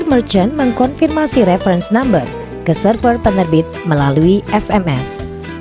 merchant mengkonfirmasi reference number ke server penerbit melalui sms